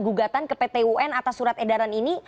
gugatan ke pt un atas surat edaran ini